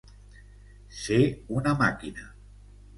Ser una màquina.